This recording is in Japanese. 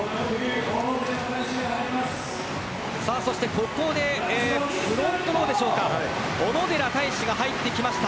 ここでフロントローに小野寺太志が入ってきました。